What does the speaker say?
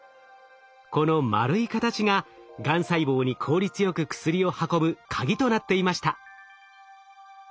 この丸い形ががん細胞に効率よく薬を運ぶ鍵となっていました。